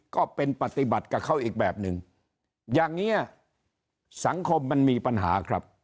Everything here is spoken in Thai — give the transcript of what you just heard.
ก็เป็นปฏิบัติกับเขาอีกแบบนึงอย่างนี้สังคมมันมีปัญหาครับ